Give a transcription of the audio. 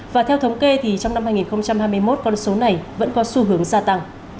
và theo thống kê thì trong năm hai nghìn hai mươi một con số này vẫn có xu hướng gia tăng